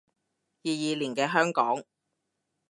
二二年嘅香港